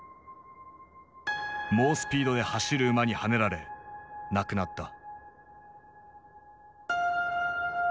猛スピードで走る馬にはねられ亡くなった。